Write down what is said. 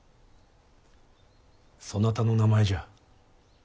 そなたの名前じゃ。